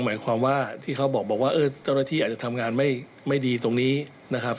หมายความว่าที่เขาบอกว่าเจ้าหน้าที่อาจจะทำงานไม่ดีตรงนี้นะครับ